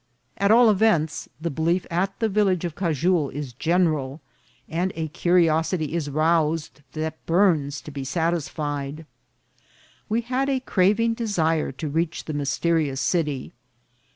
At all events, the belief at the village of Chajul is general, and a curiosity is roused that burns to be satisfied. We had a craving desire to reach the mysterious city.